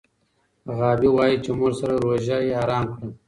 غابي وايي چې مور سره روژه یې ارام کړ.